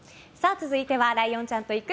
続いてはライオンちゃんと行く！